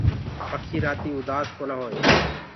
پکي رآتي اُدآس ڪونآ هوئينٚ۔